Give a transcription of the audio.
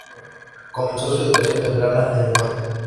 Comenzó su educación temprana en el norte.